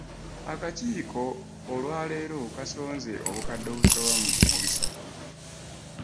Akakiiko olwa leero kasonze obukadde obusoba mu bisatu.